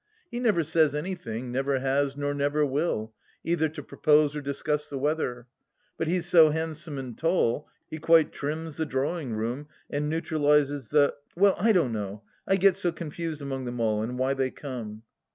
He never says anything, never has, nor never will, either to propose or discuss the weather, but he is so handsome and tall he quite trims the drawing room and neutralises the Well, I don't know, I get so confused among them all and why they come